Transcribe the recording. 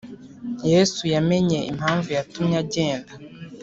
Yesu yamenye impamvu yatumye agenda.